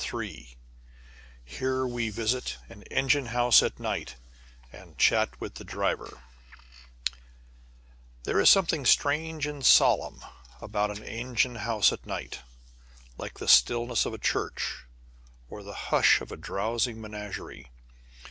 III HERE WE VISIT AN ENGINE HOUSE AT NIGHT AND CHAT WITH THE DRIVER THERE is something strange and solemn about an engine house at night, like the stillness of a church or the hush of a drowsing menagerie.